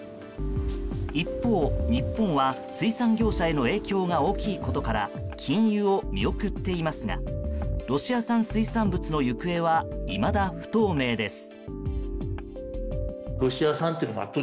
一方、日本は水産業者への影響が大きいことから禁輸を見送っていますがロシア産水産物の行方はいまだ不透明です。